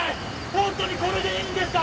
本当にこれでいいんですか！？